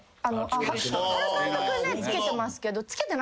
原監督つけてますけど。